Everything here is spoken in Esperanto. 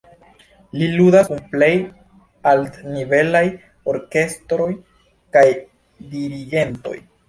Li ludas kun plej altnivelaj orkestroj kaj dirigentoj.